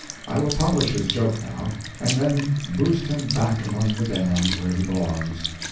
I will publish his joke, now, and then boost him back among the damned, where he belongs.